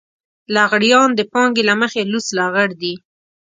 لغړيان د پانګې له مخې لوڅ لغړ دي.